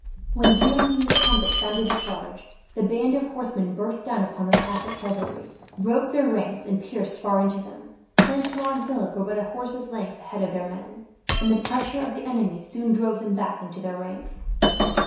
When De la Noue's trumpet sounded the charge, the band of horsemen burst down upon the Catholic cavalry, broke their ranks, and pierced far into them. Francois and Philip were but a horse's length ahead of their men, and the pressure of the enemy soon drove them back into their ranks.